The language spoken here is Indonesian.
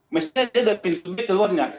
mestinya dari pintu b keluarnya